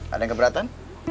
ada yang keberatan